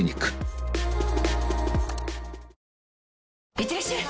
いってらっしゃい！